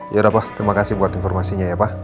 yaudah pak terima kasih buat informasinya ya pak